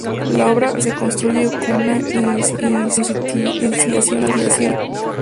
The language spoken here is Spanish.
La obra se construye como una iniciación al sexo.